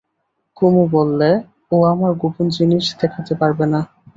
কুমু বললে, ও আমার গোপন জিনিস, দেখাতে পারব না।